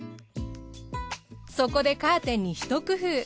そこでカーテンに一工夫。